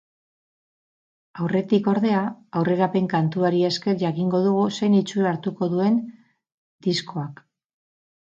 Aurretik, ordea, aurrerapen kantuari esker jakingo dugu zein itxura hartuko duendiskoak.